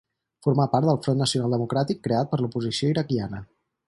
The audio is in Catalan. Formà part del Front Nacional Democràtic creat per l'oposició iraquiana.